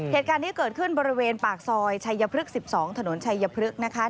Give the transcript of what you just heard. เหตุการณ์นี้เกิดขึ้นบริเวณปากซอยชัยพฤกษ์๑๒ถนนชัยพฤกษ์นะคะ